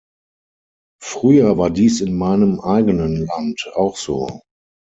Früher war dies in meinem eigenen Land auch so.